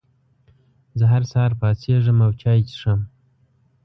زه هر سهار پاڅېږم او چای څښم.